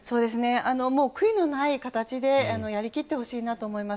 悔いのない形でやり切ってほしいなと思います。